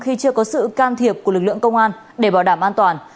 khi chưa có sự can thiệp của lực lượng công an để bảo đảm an toàn